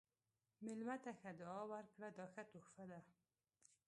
مېلمه ته ښه دعا ورکړه، دا ښه تحفه ده.